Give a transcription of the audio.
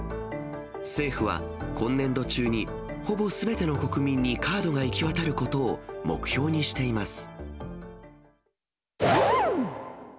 政府は今年度中にほぼすべての国民にカードが行き渡ることを目標にしています。